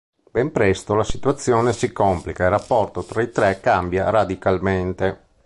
Ben presto la situazione si complica e il rapporto fra i tre cambia radicalmente.